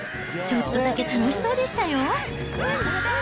ちょっとだけ楽しそうでしたよ。